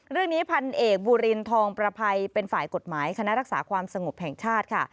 เรื่องนี้พันเอกบูรินทองประภัยเป็นฝ่ายกฎหมายคณะรักษาความสงบแห่งชาติค่ะ